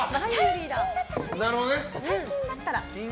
最近だったらね。